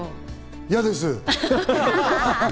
嫌です！